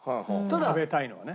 食べたいのはね。